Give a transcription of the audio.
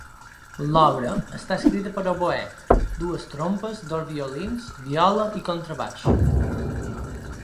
L'obra està escrita per a oboè, dues trompes, dos violins, viola i contrabaix.